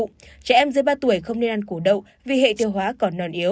trẻ em dưới ba tuổi không nên ăn củ đậu vì hệ thiêu hóa còn non yếu